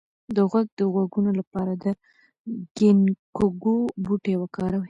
د غوږ د غږونو لپاره د ګینکګو بوټی وکاروئ